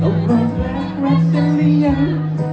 ตกว่าเธอรักรักฉันหรือยัง